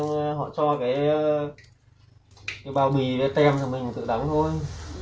nên họ cho cái bao bì cái tem cho mình tự đắng thôi